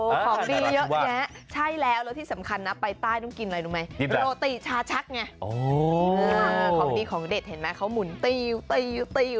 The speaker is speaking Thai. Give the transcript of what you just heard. ของดีเยอะแยะใช่แล้วแล้วที่สำคัญนะไปใต้ต้องกินอะไรรู้ไหมโรติชาชักไงของดีของเด็ดเห็นไหมเขามุนติว